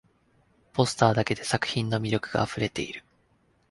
ポスターだけで作品の魅力があふれている